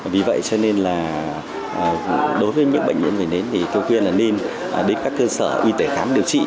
vì vậy cho nên là đối với những bệnh nhân vẩy nến thì kêu khuyên là nên đến các cơ sở uy tế khám điều trị